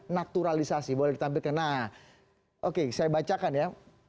naturalisasi boleh ditampilkan nah oke saya bacakan ya